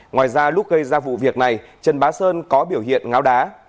ngoài ra lúc gây ra vụ việc này trần bá sơn có biểu hiện ngáo đá